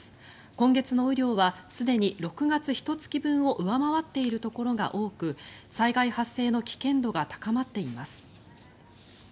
今月の雨量はすでに６月ひと月分を上回っているところが多く災害発生の危険度が高まっています。